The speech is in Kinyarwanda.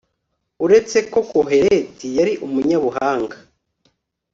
uretse ko koheleti yari umunyabuhanga